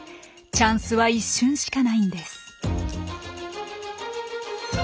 チャンスは一瞬しかないんです。